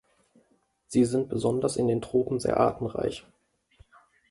Sie sind besonders in den Tropen sehr artenreich.